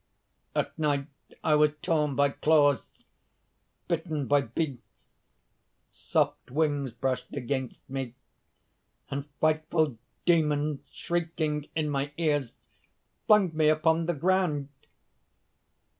At night I was torn by claws, bitten by beaks; soft wings brushed against me; and frightful demons, shrieking in my ears, flung me upon the ground.